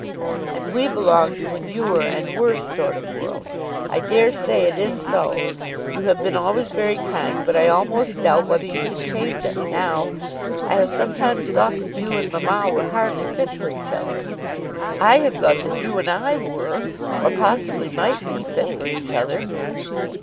"And we belong to a newer and worse sort of world. I dare say it is so. You have been always very kind, but I almost doubt whether you can change us now. I have sometimes thought that you and mamma were hardly fit for each other." "I have thought that you and I were, or possibly might be fit for each other."